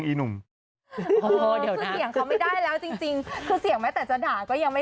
พี่หนุ่มเสียงเป็นยังไง